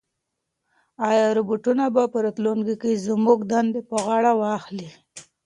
ایا روبوټونه به په راتلونکي کې زموږ دندې په غاړه واخلي؟